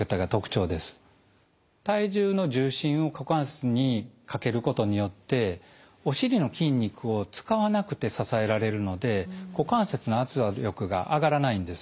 体重の重心を股関節にかけることによってお尻の筋肉を使わなくて支えられるので股関節の圧力が上がらないんです。